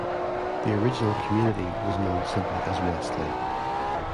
The original community was known simply as "Westlake".